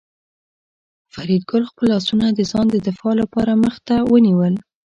فریدګل خپل لاسونه د ځان د دفاع لپاره مخ ته ونیول